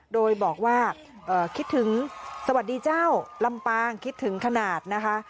โดยบอกว่าคิดถึงสวัสดีเจ้าลำปางคิดถึงขนาดนะคะ